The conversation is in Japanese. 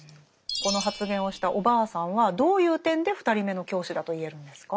この発言をしたおばあさんはどういう点で２人目の教師だと言えるんですか？